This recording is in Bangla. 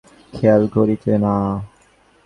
অন্যমনস্ক মহেন্দ্র বড়ো-একটা খেয়াল করিত না।